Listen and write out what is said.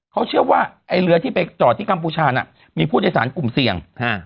เขาเชื่อว่าไอ้เรือที่ไปจอดที่กัมพูชาน่ะมีผู้โดยสารกลุ่มเสี่ยง